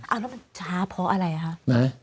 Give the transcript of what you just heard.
อ้าวแล้วมันช้าเพราะอะไรคะ